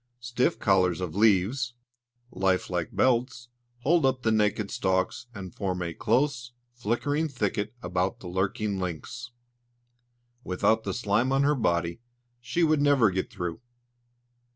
Stiff collars of leaves, like life belts, hold up the naked stalks, and form a close, flickering thicket about the lurking lynx. Without the slime on her body, she would never get through.